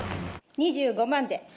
「２５万で」